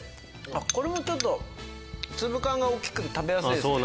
これもちょっと粒感が大きくて食べやすいですね。